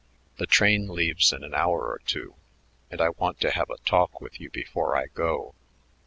The train leaves in an hour or two, and I want to have a talk with you before I go."